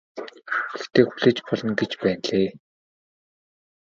Гэхдээ хүлээж болно гэж байна билээ.